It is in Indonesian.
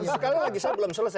sekali lagi saya belum selesai